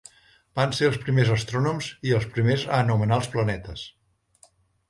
Van ser els primers astrònoms i els primers a anomenar els planetes.